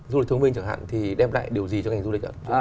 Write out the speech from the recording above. du lịch thông minh chẳng hạn thì đem lại điều gì cho ngành du lịch ạ